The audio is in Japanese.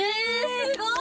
すごい。